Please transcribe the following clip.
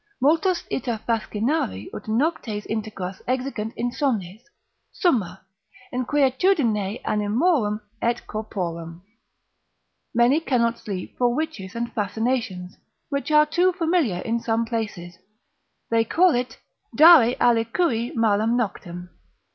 multos ita fascinari ut noctes integras exigant insomnes, summa, inquietudine animorum et corporum; many cannot sleep for witches and fascinations, which are too familiar in some places; they call it, dare alicui malam noctem.